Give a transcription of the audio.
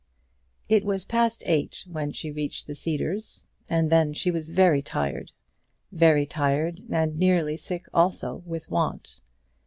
It was past eight when she reached the Cedars, and then she was very tired, very tired and nearly sick also with want.